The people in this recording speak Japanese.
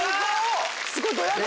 すごいドヤ顔！